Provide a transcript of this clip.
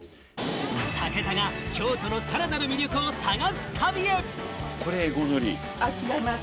武田が京都のさらなる魅力を探す旅へ。